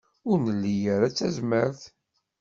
Ur nli ara tazmert.